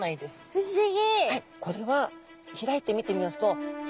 不思議！